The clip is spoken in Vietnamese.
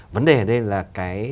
vấn đề ở đây là